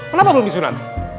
kenapa belum disunat